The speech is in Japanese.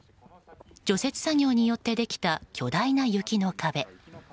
除雪作業によってできた巨大な雪の壁。